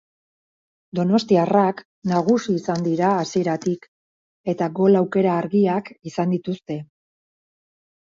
Donostiarrak nagusi izan dira hasieratik, eta gol aukera argiak izan dituzte.